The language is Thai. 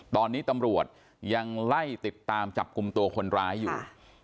ตอนนี้ตำรวจยังไล่ติดตามจับกลุ่มตัวคนร้ายอยู่